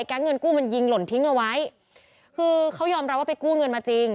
เงินกู้มันยิงหล่นทิ้งเอาไว้คือเขายอมรับว่าไปกู้เงินมาจริง